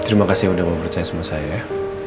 terima kasih sudah mempercayai semua saya